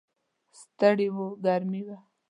ستړي و، ګرمي وه.